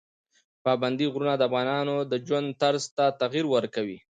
پابندي غرونه د افغانانو د ژوند طرز ته تغیر ورکوي.